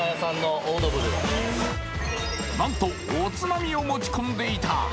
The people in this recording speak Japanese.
なんとおつまみを持ち込んでいた。